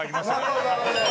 なるほどなるほど。